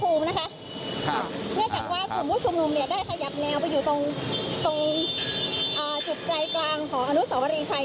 เนื่องจากว่ากลุ่มผู้ชุมนุมเนี่ยได้ขยับแนวไปอยู่ตรงจุดใจกลางของอนุสวรีชัย